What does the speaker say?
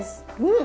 ん？